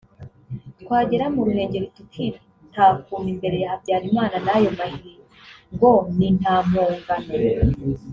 twagera mu Ruhengeli tukitakuma imbere ya Habyalimana n’ ayo mahiri ngo ni nta mpongano